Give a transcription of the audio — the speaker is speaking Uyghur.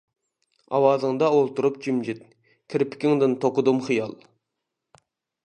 ئاۋازىڭدا ئولتۇرۇپ جىمجىت، كىرپىكىڭدىن توقۇدۇم خىيال.